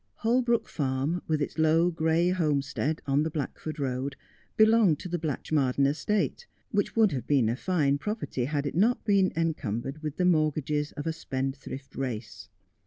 Holbrook Farm, with its low gray homestead, on the Blackford Eoad, belonged to the Blatchmardean estate, which would have been a fine property had it not been encumbered with the mort gages of a spendthrift race.